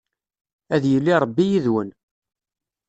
Ad yili Ṛebbi yid-wen.